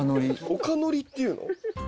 おかのりっていうの？